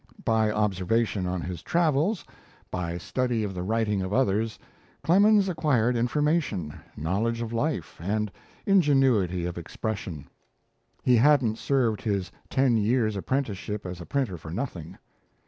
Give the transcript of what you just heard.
By observation on his travels, by study of the writing of others, Clemens acquired information, knowledge of life, and ingenuity of expression. He hadn't served his ten years' apprenticeship as a printer for nothing.